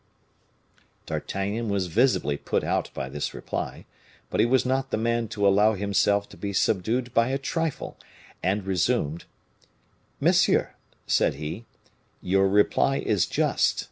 D'Artagnan was visibly put out by this reply; but he was not the man to allow himself to be subdued by a trifle, and resumed: "Monsieur," said he, "your reply is just.